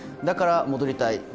だから、戻りたい。